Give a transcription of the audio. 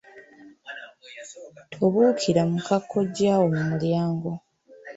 Tobuukira muka kkojjaawo mu mulyango.